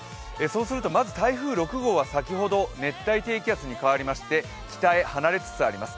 まず台風６号は、先ほど熱帯低気圧に変わりまして、北へ離れつつあります。